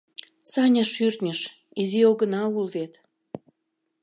— Саня шӱртньыш, — изи огына ул вет!